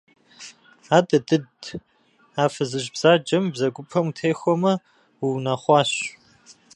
Адыдыд, а фызыжь бзаджэм и бзэгупэм утехуамэ, уунэхъуащ.